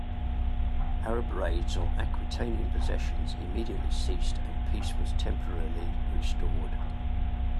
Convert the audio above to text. Arab raids on Aquitanian possessions immediately ceased and peace was temporarily restored.